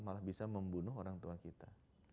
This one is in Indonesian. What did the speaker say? malah bisa membunuh orang tua kita